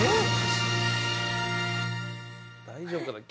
大丈夫かな？